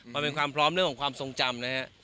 มันเป็นความพร้อมเรื่องของความทรงจำนะฮะ